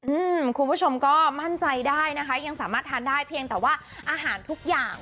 คุณผู้ชมก็มั่นใจได้นะคะยังสามารถทานได้เพียงแต่ว่าอาหารทุกอย่าง